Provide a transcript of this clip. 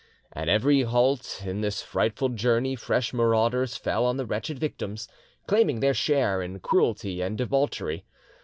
At every halt in this frightful journey fresh marauders fell on the wretched victims, claiming their share in cruelty and debauchery.